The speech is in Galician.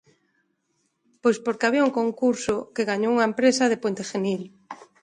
Pois porque había un concurso que gañou unha empresa de Puente Genil.